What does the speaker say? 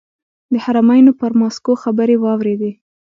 د حرمینو پر ماسکو خبرې واورېدې.